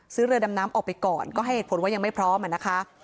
เรือดำน้ำออกไปก่อนก็ให้เหตุผลว่ายังไม่พร้อมอะนะคะ